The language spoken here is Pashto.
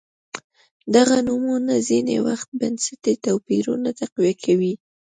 دغه نورمونه ځیني وخت بنسټي توپیرونه تقویه کوي.